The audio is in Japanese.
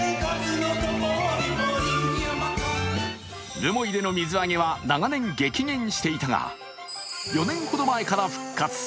留萌での水揚げは長年激減していたが４年ほど前から復活。